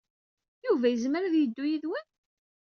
Yuba yezmer ad yeddu yid-wen?